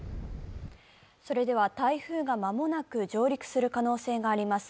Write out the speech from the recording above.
それでは、台風が間もなく上陸する可能性があります